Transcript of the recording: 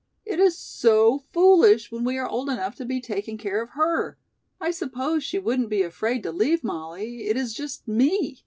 It is so foolish, when we are old enough to be taking care of her! I suppose she wouldn't be afraid to leave Mollie, it is just me!